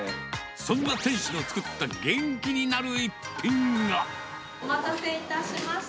そんな店主の作った元気になお待たせいたしました。